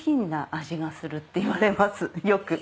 よく。